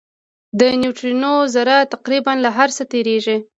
د نیوټرینو ذره تقریباً له هر څه تېرېږي.